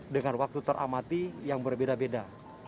dengan waktu teramati yang berbeda beda